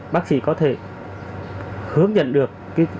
bác sĩ có thể hướng nhận được